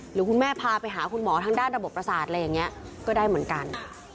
หรือคุณแม่พาไปหาคุณหมอทางด้านระบบประสาทก็ได้เหมือนกัน